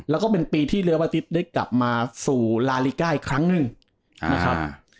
แล้วก็เป็นปีที่เรือบาติ๊ดได้กลับมาสู่ลาลิก้าอีกครั้งหนึ่งนะครับ